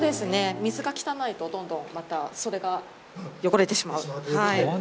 水が汚いと、どんどん、またそれが汚れてしまう。